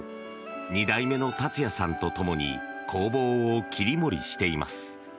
２代目の達也さんと共に工房を切り盛りしています。